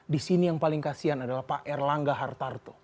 disini yang paling kasian adalah pak erlangga hartarto